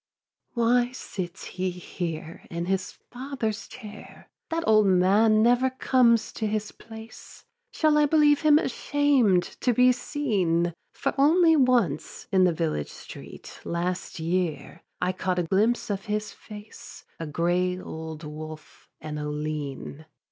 3. Why sits he here in his father's chair? That old man never comes to his place: Shall I believe him ashamed to be seen? For only once, in the village street, Last year, I caught a glimpse of his face, A gray old wolf and a lean.